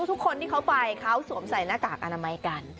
ทุกคนที่เขาไปเขาสวมใส่หน้ากากอนามัยกัน